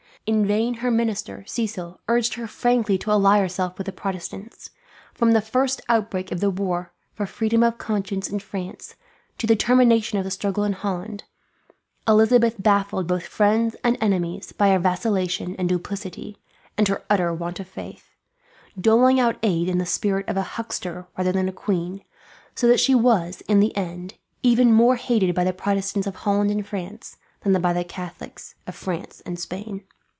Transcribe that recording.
In vain her minister, Cecil, urged her frankly to ally herself with the Protestants. From the first outbreak of the war for freedom of conscience in France, to the termination of the struggle in Holland, Elizabeth baffled both friends and enemies by her vacillation and duplicity, and her utter want of faith; doling out aid in the spirit of a huckster rather than a queen, so that she was, in the end, even more hated by the Protestants of Holland and France than by the Catholics of France and Spain.